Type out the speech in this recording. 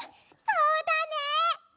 そうだね！